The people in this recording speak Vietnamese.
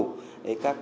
các nhân lực